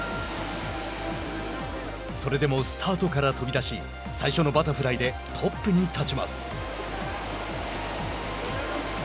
それでもスタートから飛び出し最初のバタフライでトップに立ちます。